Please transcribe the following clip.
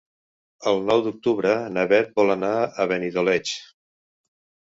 El nou d'octubre na Bet vol anar a Benidoleig.